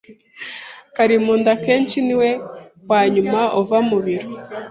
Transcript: Karimunda akenshi niwe wanyuma uva mubiro.